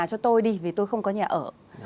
cho tôi đi vì tôi không có nhà ở